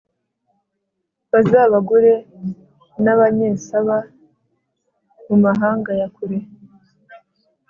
bazabagure n’Abanyesaba, mu mahanga ya kure.»